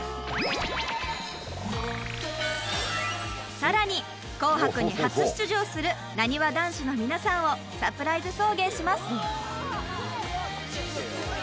さらに「紅白」に初出場するなにわ男子の皆さんをサプライズ送迎します。